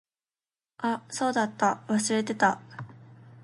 あ、そうだった。忘れてた。